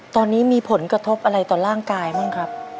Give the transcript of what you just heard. ตอนนี้มีผลกระทบอะไรต่อร่างกายบ้างครับ